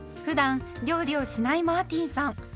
ふだん料理をしないマーティンさん